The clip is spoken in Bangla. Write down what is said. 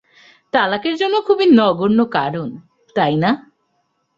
তালাকের জন্য খুবই নগণ্য কারণ, তাই না।